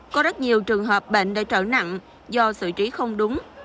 có rất nhiều trường hợp bệnh đã trở nặng do sự trí không đúng